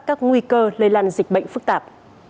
các nguy cơ lây lan dịch bệnh phức tạp